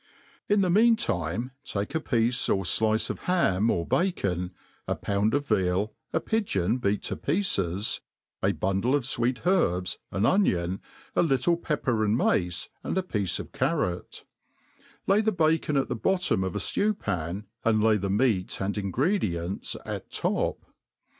In the mean time, take a piece or flice of ham, or bacon, a pound of veal, a pigeon beat to pieces, a bundle of fweet herbs, an onion, a little pepper and mace, and a piece of carrot; hy the bacon at the bottom of a (lew pan, and lay the meat and in* gredients at top.